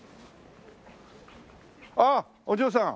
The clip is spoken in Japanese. あっお嬢さん。